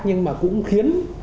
nhưng mà cũng khiến họ có thể